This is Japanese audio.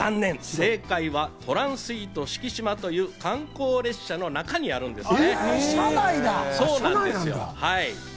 正解は「ＴＲＡＩＮＳＵＩＴＥ四季島」という観光列車の中にあるんですね。